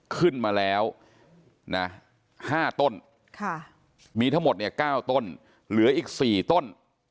ขึ้นมาแล้วนะ๕ต้นมีทั้งหมดเนี่ย๙ต้นเหลืออีก๔ต้น